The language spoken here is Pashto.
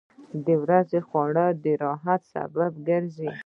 • د ورځې خواري د راحت سبب ګرځي.